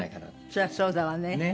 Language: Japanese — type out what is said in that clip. それはそうだわね。